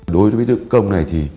đối với đối tượng công này